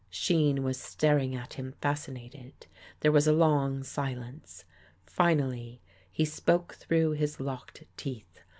Shean was staring at him fascinated. There was a long silence. Finally, he spoke through his locked teeth.